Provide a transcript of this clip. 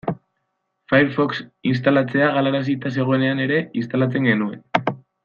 Firefox instalatzea galarazita zegoenean ere instalatzen genuen.